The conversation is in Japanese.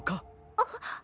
あっ！